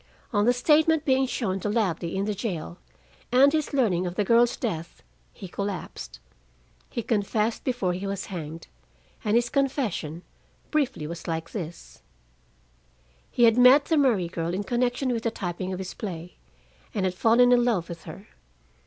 On the statement being shown to Ladley in the jail, and his learning of the girl's death, he collapsed. He confessed before he was hanged, and his confession, briefly, was like this: He had met the Murray girl in connection with the typing of his play, and had fallen in love with her.